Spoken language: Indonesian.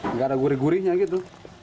nggak ada gurih gurihnya gitu